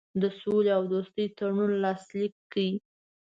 د سولي او دوستي تړون لاسلیک کړ.